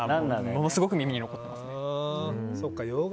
ものすごく耳に残ってます。